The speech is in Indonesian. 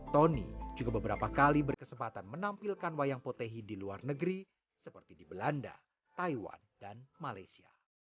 tony juga beberapa kali berkesempatan menampilkan wayang potehi di luar negeri seperti di belanda taiwan dan malaysia